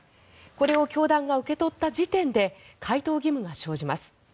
これを教団が受け取った時点で回答義務が生じます。